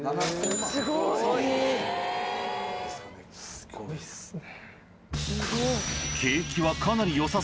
すごいっすね。